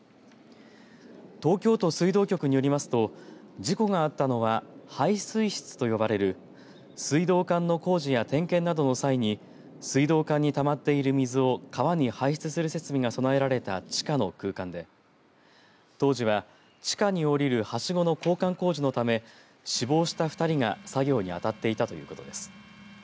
東京都水道局によりますと事故があったのは排水室と呼ばれる水道管の工事や点検などの際に水道管にたまっている水を川に排出する設備が備えられた地下の空間で当時は、地下に降りるはしごの交換工事のため死亡した２人が作業に当たっていたということです。